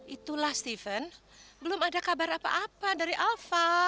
itulah steven belum ada kabar apa apa dari alpha